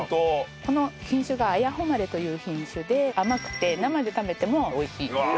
この品種が「彩誉」という品種で甘くて生で食べても美味しい。